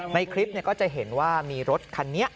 ในคลิปเนี้ยก็จะเห็นว่ายังมีรถคันนี้